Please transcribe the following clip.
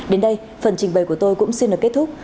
đến đây phần trình bày của tôi cũng xin được kết thúc